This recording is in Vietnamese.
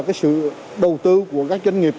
cái sự đầu tư của các doanh nghiệp